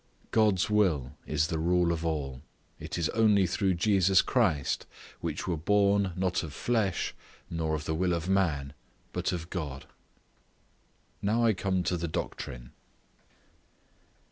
God's will is the rule of all; it is only through Jesus Christ, "which were born, not of flesh, nor of the will of man, but of God." Now I come to the doctrine.